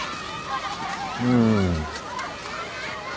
うん。